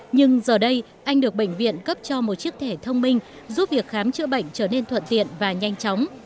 nhưng giờ đây anh được bệnh viện cấp cho một chiếc thẻ thông minh giúp việc khám chữa bệnh trở nên thuận tiện và nhanh chóng